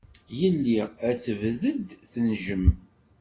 Yelli ad tebded tenjem.